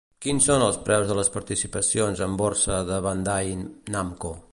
Quins són els preus de les participacions en borsa de Bandai Namco?